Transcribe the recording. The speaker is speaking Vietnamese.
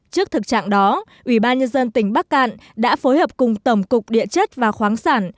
trước thực trạng đó ủy ban nhân dân tỉnh bắc cạn đã phối hợp cùng tổng cục địa chất và khoáng sản